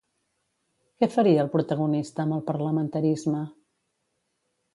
Què faria el protagonista amb el parlamentarisme?